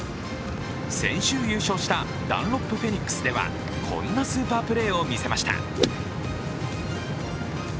先週優勝したダンロップフェニックスではこんなスーパープレーを見せました。